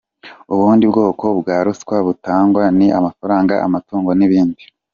Ubundi bwoko bwa ruswa butangwa, ni amafaranga, amatungo n’ibindi.